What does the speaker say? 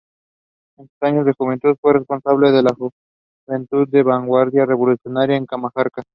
En sus años de juventud fue Responsable de Juventud de Vanguardia Revolucionaria en Cajamarca.